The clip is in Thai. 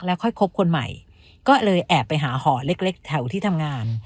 ค่อยคบคนใหม่ก็เลยแอบไปหาหอเล็กแถวที่ทำงาน